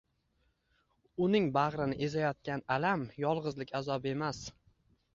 Uning bag‘rini ezayotgan alam yolg‘izlik azobi emas